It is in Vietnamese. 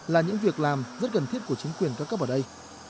là những việc làm rất cần thiết của chính quyền các cấp ở đây